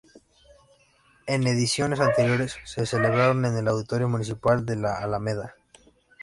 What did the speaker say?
En ediciones anteriores se celebraron en el Auditorio Municipal de La Alameda.